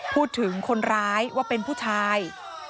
พูดถึงคนร้ายว่าเป็นผู้ชาย